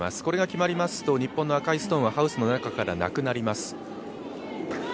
これが決まりますと、日本の赤いストーンはハウスの中からなくなります。